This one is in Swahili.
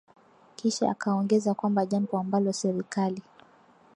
Kisha akaongeza kwamba jambo ambalo serikali